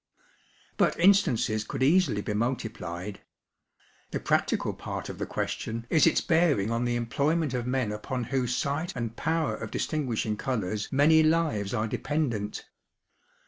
But instances could easily be multiplied. The practical part of the question is its bearing on the employment of men upon whose sight and power of distinguishing colours many lives are dependent.